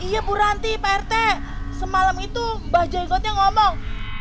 iya purwanti pak rt semalam itu mbak jenggotnya ngomong